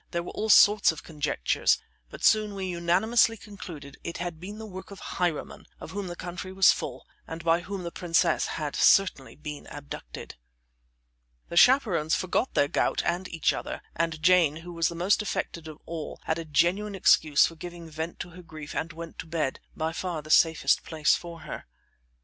There were all sorts of conjectures, but soon we unanimously concluded it had been the work of highwaymen, of whom the country was full, and by whom the princess had certainly been abducted. The chaperons forgot their gout and each other, and Jane, who was the most affected of all, had a genuine excuse for giving vent to her grief and went to bed by far the safest place for her.